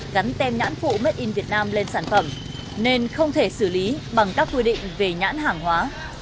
các doanh nghiệp cũng không thể xử lý bằng các quy định về nhãn hàng hóa